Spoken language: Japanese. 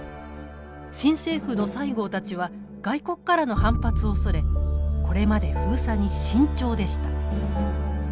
新政府の西郷たちは外国からの反発を恐れこれまで封鎖に慎重でした。